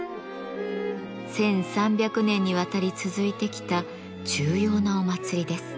１，３００年にわたり続いてきた重要なお祭りです。